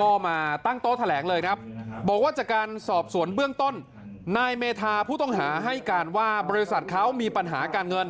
ก็มาตั้งโต๊ะแถลงเลยครับบอกว่าจากการสอบสวนเบื้องต้นนายเมธาผู้ต้องหาให้การว่าบริษัทเขามีปัญหาการเงิน